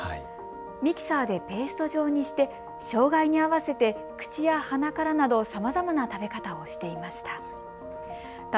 ミキサーでペースト状にして障害に合わせて口や鼻からなどさまざまな食べ方をしていました。